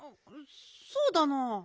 そうだな。